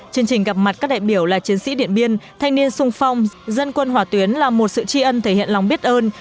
chương trình gặp mặt các đại biểu là chiến sĩ điện biên thanh niên sung phong dân quân hỏa tuyến là một sự tri ân thể hiện lòng biết ơn